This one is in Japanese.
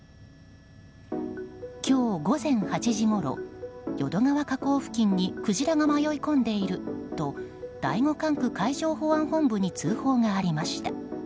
今日午前８時ごろ淀川河口付近にクジラが迷い込んでいると第５管区海上保安本部に通報がありました。